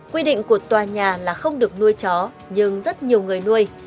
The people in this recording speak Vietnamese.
quy định của tòa nhà là không được nuôi chó nhưng rất nhiều người nuôi